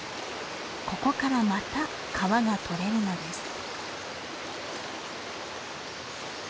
ここからまた皮が取れるのです。